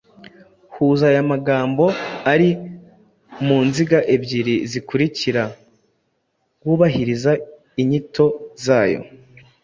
Huza aya magambo ari mu nziga ebyiri zikurikira wubahiriza inyito zayo